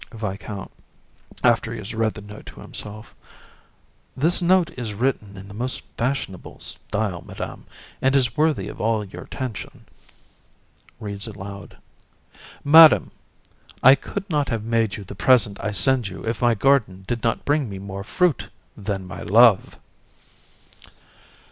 VISC. (after he has read the note to himself). This note is written in the most fashionable style, Madam, and is worthy of all your attention. (Reads aloud) "Madam, I could not have made you the present I send you if my garden did not bring me more fruit than my love...."